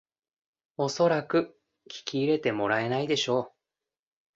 おそらく聞き入れてもらえないでしょう